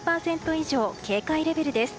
以上警戒レベルです。